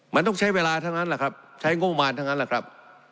มันต้องใช้เวลาทั้งนั้นแหละครับใช้งบมารทั้งนั้นแหละครับ